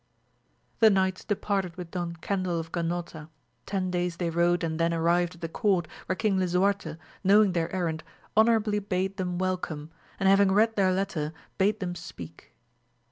The knights departed with Don Cendil of Ganota, ten days they rode and then arrived at the court wher^ King Lisuarte, knowing their errand, honourably bade them welcome, and having read their letter bade them speak.